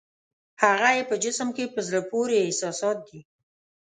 هغه یې په جسم کې په زړه پورې احساسات دي.